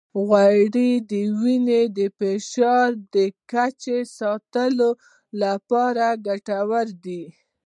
غوړې د وینې د فشار د کچې ساتلو لپاره ګټورې دي.